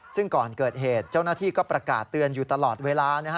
ซึ่งก่อนเกิดเหตุเจ้าหน้าที่ก็ประกาศเตือนอยู่ตลอดเวลา